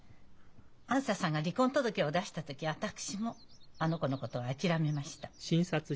あづささんが離婚届を出した時私もあの子のことは諦めました。